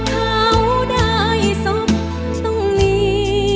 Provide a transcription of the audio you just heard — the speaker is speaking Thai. พ่อเขาได้ศพต้องหนี